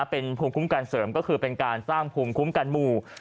เป็นภูมิคุ้มกันเสริมก็คือเป็นการสร้างภูมิคุ้มกันหมู่